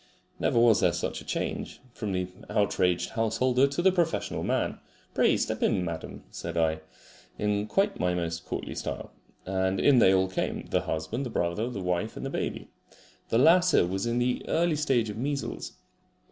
Never was there such a change from the outraged householder to the professional man. "Pray step in, madam," said I, in quite my most courtly style; and in they all came the husband, the brother, the wife and the baby. The latter was in the early stage of measles.